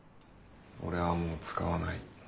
俺はもう使わない。